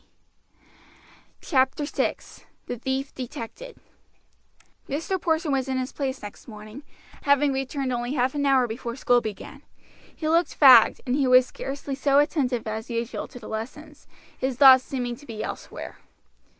CHAPTER VI: THE THIEF DETECTED Mr. Porson was in his place next morning, having returned only half an hour before school began; he looked fagged, and he was scarcely so attentive as usual to the lessons, his thoughts seeming to be elsewhere.